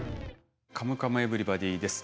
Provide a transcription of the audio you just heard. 「カムカムエヴリバディ」です。